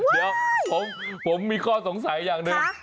เดี๋ยวผมมีข้อสงสัยอย่างหนึ่ง